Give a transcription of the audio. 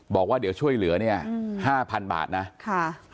บอกว่าช่วยเหลือ๕๐๐๐บาทนะ